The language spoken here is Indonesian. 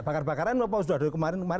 bakar bakaran apa sudah ada kemarin